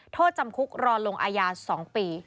โทษจำคุกรอลงอาญา๒ปี